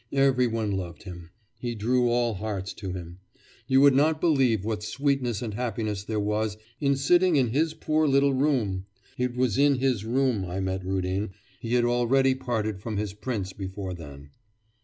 Every one loved him; he drew all hearts to him. You would not believe what sweetness and happiness there was in sitting in his poor little room! It was in his room I met Rudin. He had already parted from his prince before then.